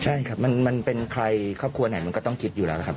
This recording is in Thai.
ใช่ครับมันเป็นใครครอบครัวไหนมันก็ต้องคิดอยู่แล้วครับ